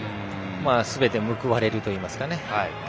すべて報われるといいますかね。